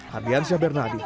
hanyansya bernadi jakarta